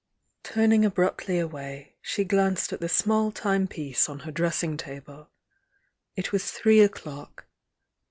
Turning abruptly away, she glanced at the small time piece on her dressing table. It was three o'clock.